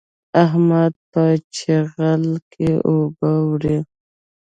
احمد په چيغل کې اوبه وړي.